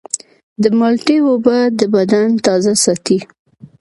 د مالټې اوبه د بدن تازه ساتي.